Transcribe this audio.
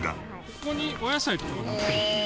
ここにお野菜とかがなってるんですか？